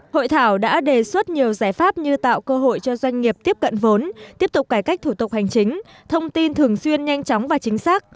hội thảo đã đề xuất nhiều giải pháp như tạo cơ hội cho doanh nghiệp tiếp cận vốn tiếp tục cải cách thủ tục hành chính thông tin thường xuyên nhanh chóng và chính xác